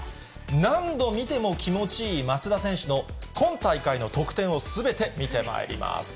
何度見ても気持ちいい松田選手の今大会の得点をすべて見てまいります。